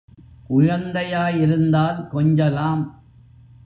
குழந்தையாய் இருந்தால் கொஞ்சலாம்.